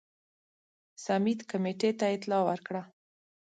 سمیت کمېټې ته اطلاع ورکړه.